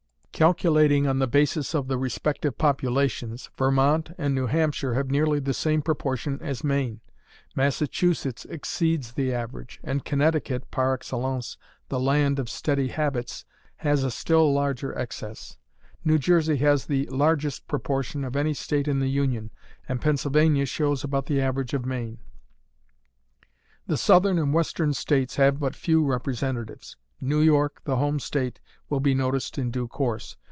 Calculating on the basis of the respective populations, Vermont and New Hampshire have nearly the same proportion as Maine; Massachusetts exceeds the average; and Connecticut (par excellence, "the land of steady habits") has a still larger excess. New Jersey has the largest proportion of any state in the union, and Pennsylvania shows about the average of Maine. The Southern and Western States have but few representatives. New York, the home state, will be noticed in due course.